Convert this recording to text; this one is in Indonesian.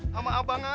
sama abang aja